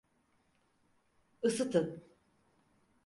Isıtın!